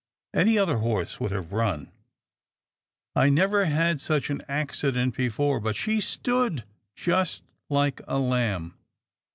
Any other horse would have run. I never had such an accident before, but she stood just like a lamb."